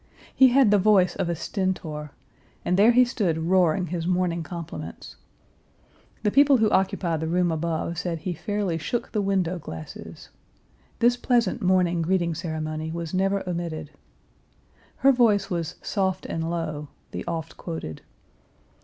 He had the voice of a stentor, and there he stood roaring his morning compliments. The people who occupied the room above said he fairly shook the window glasses. This pleasant morning greeting ceremony was never omitted. Her voice was "soft and low" (the oft quoted).